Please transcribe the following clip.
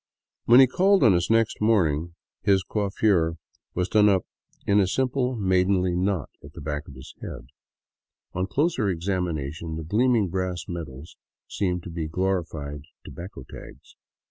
When he called on us next morning his coiffure was done up in a simple maidenly 156 m THE CITY OF THE EQUATOR knot at the back of his head. On closer examination the gleaming brass medals seemed to be glorified tobacco tags.